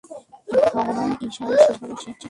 ভগবান ঈশার শিষ্যেরা সকলেই সন্ন্যাসী।